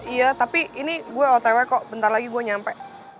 iya tapi ini gue otwe kok bentar lagi gue nyampe